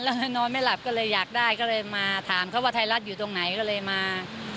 แล้วนอนไม่หลับก็เลยอยากได้ก็เลยมาถามเขาว่าไทยรัฐอยู่ตรงไหนก็เลยมา